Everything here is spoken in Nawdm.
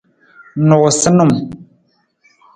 Nuusanung.